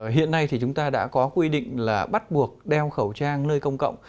hiện nay thì chúng ta đã có quy định là bắt buộc đeo khẩu trang nơi công cộng